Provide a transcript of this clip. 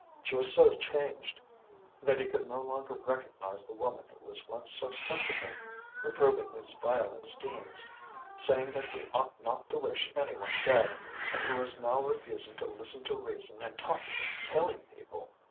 She was so changed that he could no longer recognize the woman who was once so sensible, reproving his violent schemes, saying that we ought not to wish any one dead, and who was now refusing to listen to reason and talking of killing people.